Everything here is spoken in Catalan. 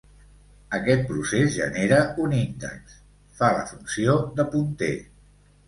Aquest procés genera un índex, fa la funció de punter.